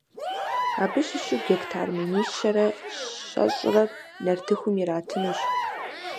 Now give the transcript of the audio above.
Абы щыщу гектар минищэрэ щэщӏрэр нартыхум иратынущ.